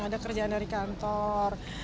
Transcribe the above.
ada kerjaan dari kantor